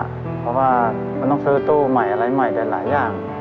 เพราะว่าเขาต้องซื้อตู้ใหม่ใหญ่หลายอย่าง